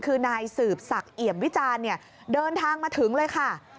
คือนายสืบสักเหยียบวิจารณ์เดินทางมาถึงเลยค่ะ